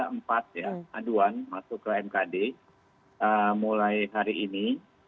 ada empat ya aduan masuk ke mkd mulai hari ini